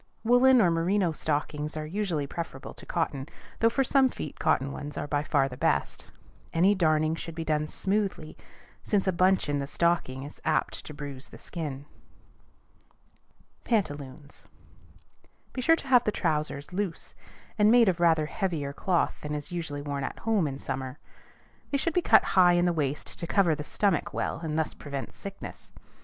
Woollen or merino stockings are usually preferable to cotton, though for some feet cotton ones are by far the best. Any darning should be done smoothly, since a bunch in the stocking is apt to bruise the skin. PANTALOONS. Be sure to have the trousers loose, and made of rather heavier cloth than is usually worn at home in summer. They should be cut high in the waist to cover the stomach well, and thus prevent sickness.